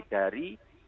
dari dari negara